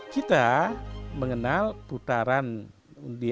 kita mengenal putaran di agama hindu